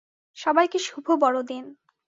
সবাইকে শুভ বড়দিন।